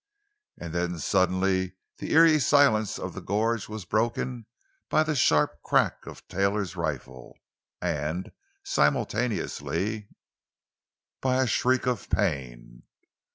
And then suddenly the eery silence of the gorge was broken by the sharp crack of Taylor's rifle, and, simultaneously, by a shriek of pain.